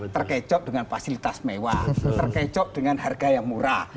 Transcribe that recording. terkecoh dengan fasilitas mewah terkecoh dengan harga yang murah